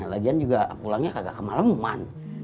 lagian juga pulangnya kagak kemaleman